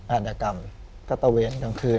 อาหารกรรมก็เต้าเวรกลางคืน